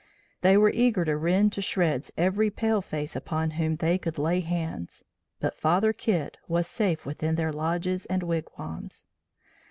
They were eager to rend to shreds every pale face upon whom they could lay hands, but "Father Kit" was safe within their lodges and wigwams.